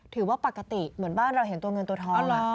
ถือว่าปกติเหมือนบ้านเราเห็นตัวเงินตัวทอง